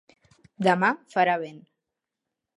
Demà farà vent.